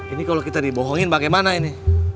ini kalau kita dibohongin bagaimana ini